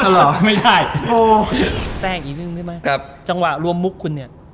หรอไม่ได้โอ้แซ่งอีกหนึ่งด้วยไหมครับจังหวะรวมมุกคุณเนี่ย